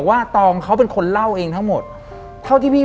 หลังจากนั้นเราไม่ได้คุยกันนะคะเดินเข้าบ้านอืม